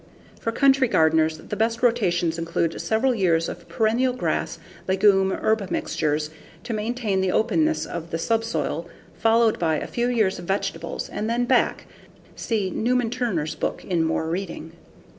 For country gardeners, the best rotations include several years of perennial grass legume herb mixtures to maintain the openness of the subsoil followed by a few years of vegetables and then back (see Newman Turner's book in more reading).